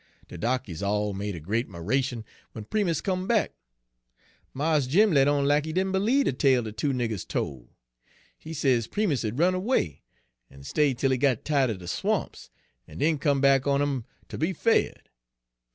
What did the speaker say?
"De darkies all made a great 'miration w'en Primus come back. Mars Jim let on lack he did n' b'lieve de tale de two niggers tol'; he sez Primus had runned erway, en stay' 'tel he got ti'ed er de swamps, en den come back on him ter be fed.